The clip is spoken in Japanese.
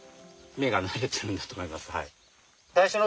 目が慣れてるんだと思います。